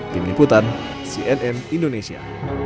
tim liputan cnn indonesia